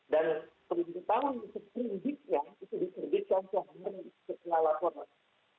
dan penyidik tahu yang sepenuhnya itu diperbitkan sehari setelah laporan